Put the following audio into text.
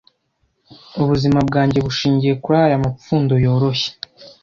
ubuzima bwanjye bushingiye kuri aya mapfundo yoroshye